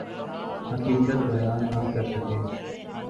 حقیقت بیان نہ کر سکے۔